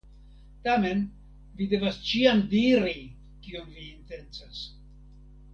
Tamen, vi devas ĉiam diri kion vi intencas.